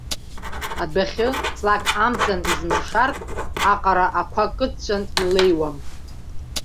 Адәахьы, ҵлак амҵан измыршартә аҟара, ақәа кыдҵәаны илеиуам.